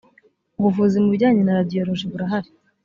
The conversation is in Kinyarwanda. ubuvuzi mu bijyanye na radiyoloji burahari